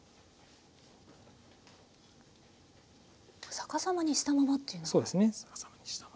逆さまにしたままっていうのは。